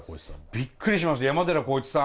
びっくりしました山寺宏一さん